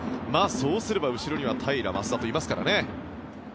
そうすれば後ろには平良、増田といますからね。